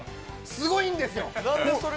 すごいんですよ！